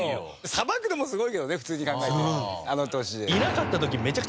さばくのもすごいけどね普通に考えてあの年で。